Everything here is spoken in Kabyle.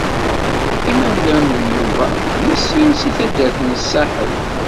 Imawlan n Yuba deg sin seg taddart n Saḥel.